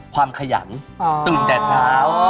ความขยันตื่นแดดเช้า